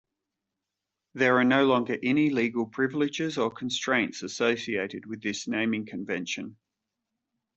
There are no longer any legal privileges or constraints associated with this naming convention.